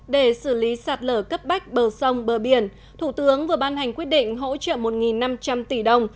để xử lý sạt lở cấp bách bờ sông bờ biển thủ tướng vừa ban hành quyết định hỗ trợ một năm trăm linh tỷ đồng